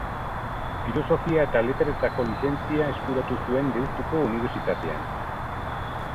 Filosofia eta Letretako lizentzia eskuratu zuen Deustuko Unibertsitatean.